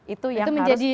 itu yang harus